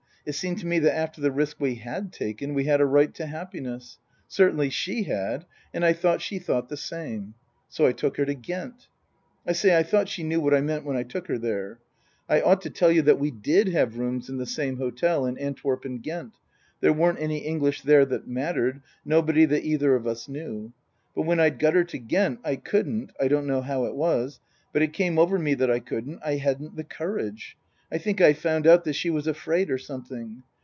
It seemed to me that after the risk we had taken we had a right to happiness. Certainly she had. And I thought she thought the same. "So I took her to Ghent. " I say I thought she knew what I meant when I took her. " I ought to tell you that we did have rooms in the same hotel in Antwerp and Ghent. There weren't any English there that mattered nobody that either of us knew. " But when I'd got her to Ghent I couldn't I don't know how it was but it came over me that I couldn't I hadn't the courage. I think I found out that she was afraid or something.